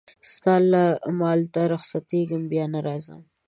ستا له مالته رخصتېږمه بیا نه راځمه